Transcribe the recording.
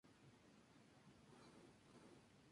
La homosexualidad en San Vicente y las Granadinas es ilegal.